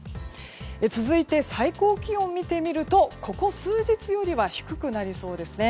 続いて、最高気温を見てみるとここ数日よりは低くなりそうですね。